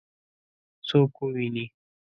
څوک وویني؟